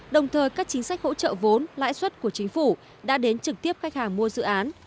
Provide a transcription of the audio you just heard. đồng thời các chính sách hỗ trợ vốn lãi suất của chính phủ đã đến trực tiếp khách hàng mua dự án